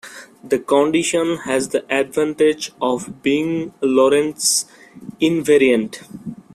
The condition has the advantage of being Lorentz invariant.